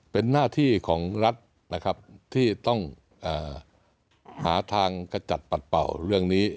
เป็นหน้าที่ของรัฐนะครับที่ต้องหาทางกระจัดปัดเป่าเรื่องนี้